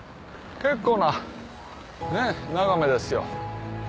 結構な眺めですよ。